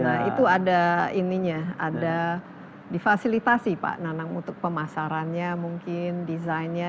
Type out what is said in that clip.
nah itu ada ininya ada difasilitasi pak nanang untuk pemasarannya mungkin desainnya